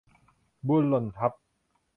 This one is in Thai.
บุญหล่นทับ